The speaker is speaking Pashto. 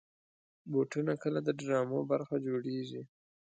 بوټونه کله د ډرامو برخه جوړېږي.